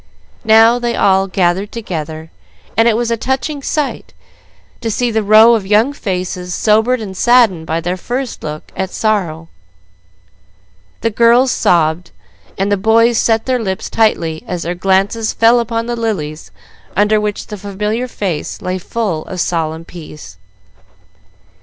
Now they were all gathered together, and it was a touching sight to see the rows of young faces sobered and saddened by their first look at sorrow. The girls sobbed, and the boys set their lips tightly as their glances fell upon the lilies under which the familiar face lay full of solemn peace.